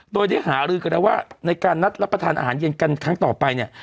โดยได้หารือกันแล้วว่าในการนัดรับประทานอาหารเย็นกันครั้งต่อไปเนี่ย